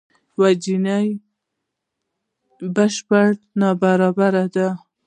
یو جیني بشپړ نابرابري ده.